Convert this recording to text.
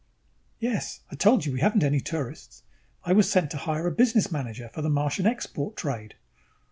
"Yes. I told you we haven't any tourists. I was sent to hire a business manager for the Martian export trade."